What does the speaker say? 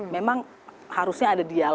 memang harusnya ada diambil